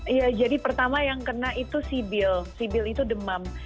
iya jadi pertama yang kena itu sibil sibil itu demam